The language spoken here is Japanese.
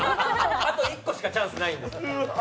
あと１個しかチャンスないんで。